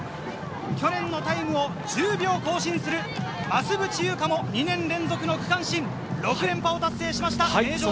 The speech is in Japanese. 去年のタイムを１０秒更新する増渕祐香も２年連続の区間新、６連覇を達成しました。